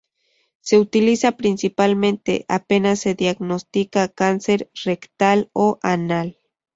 Se utiliza principalmente apenas se diagnostica cáncer rectal o anal.